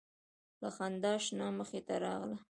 له خندا شنه مخې ته راغله